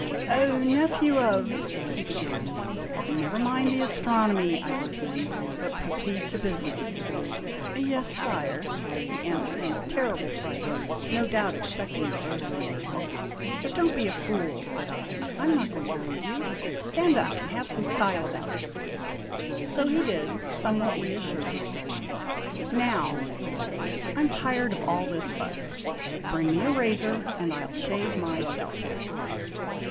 " O Nephew of !" he began. "Never mind the astronomy," I broke in, "but proceed to business." " Yes, Sire," he answered in a terrible fright, no doubt expecting the bowstring. " Don't be a fool !' said I. "I 'in not ^oincr to hurt you. Stand O O J up and have some style about you !" So he did, somewhat reassured. " Now," I said, " I 'm tired of all this fuss. Bring me a razor, and I '11 shave myself."